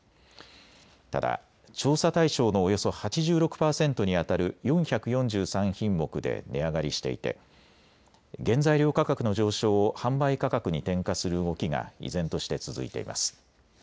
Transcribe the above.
ただ調査対象のおよそ８６％にあたる４４３品目で値上がりしていて原材料価格の上昇を販売価格に転嫁する動きが依然として続いています。